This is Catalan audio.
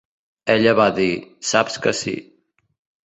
Ella va dir: "Saps que sí".